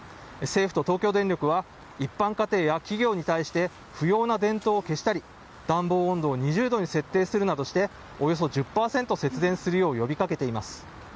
政府と東京電力は、一般家庭や企業に対して、不要な電灯を消したり、暖房温度を２０度に設定するなどして、およそ１０％節電するよう呼びかけています。